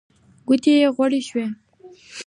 ګوتې يې غوړې شوې.